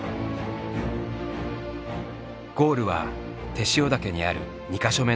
ゴールは天塩岳にある２か所目の補給地点。